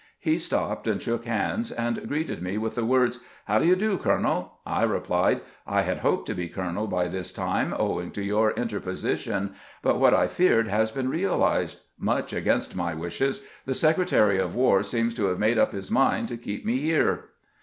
He stopped, shook hands, and greeted me with the words, " How do you do, colonel ?" I replied :" I had hoped to be colonel by this time, owing to your interposition, but what I feared has been realized. Much against my wishes, the Secretary of "War seems to have made up his mind to keep me here."